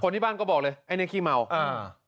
ที่บ้านก็บอกเลยไอ้เนี้ยขี้เมาอ่า